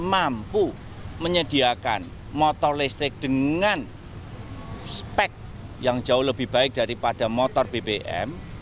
mampu menyediakan motor listrik dengan spek yang jauh lebih baik daripada motor bbm